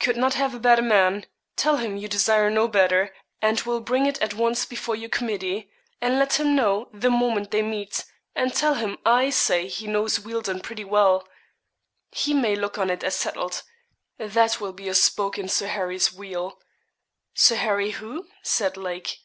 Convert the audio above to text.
'Could not have a better man. Tell him you desire no better, and will bring it at once before your committee; and let him know, the moment they meet; and tell him I say he knows Wealdon pretty well he may look on it as settled. That will be a spoke in Sir Harry's wheel.' 'Sir Harry who?' said Lake.